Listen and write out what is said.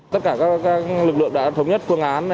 tất cả các lực lượng đã thống nhất phương án